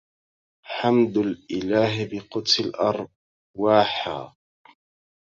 حمد الإله بقدس الأرواحا